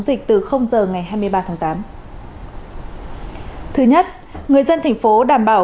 dịch từ giờ ngày hai mươi ba tháng tám thứ nhất người dân tp hcm đảm bảo